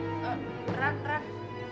eh ran ran